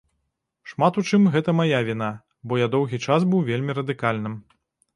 Шмат у чым гэта мая віна, бо я доўгі час быў вельмі радыкальным.